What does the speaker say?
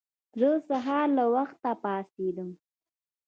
زه سهار له وخته پاڅيږم.